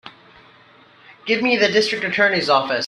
Give me the District Attorney's office.